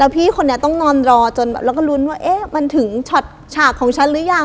พี่คนนี้ต้องนอนรอจนแบบแล้วก็ลุ้นว่ามันถึงช็อตฉากของฉันหรือยัง